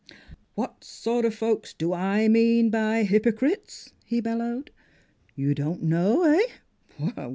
' What sort of folks do I mean by hypocrites?" he bellowed. "You don't know eh?